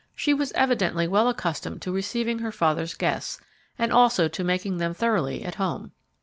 She was evidently well accustomed to receiving her father's guests, and also to making them thoroughly at home.